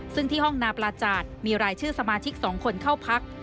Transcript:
ซึ่งที่ห้องนาปลาจาดมีรายชื่อสมาชิก๒คนเข้าพัก